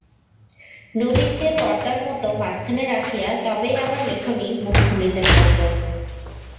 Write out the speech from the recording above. নবীনকে পর্দার মতো মাঝখানে রাখিয়া তবেই আমার লেখনী মুখ খুলিতে পারিল।